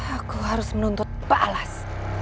aku harus menuntut balas